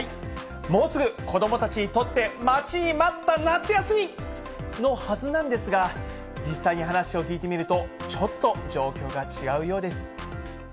もうすぐ子どもたちにとって、待ちに待った夏休みのはずなんですが、実際に話を聞いてみると、ちょっと状況が違うようです。